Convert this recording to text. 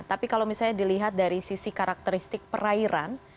tapi kalau misalnya dilihat dari sisi karakteristik perairan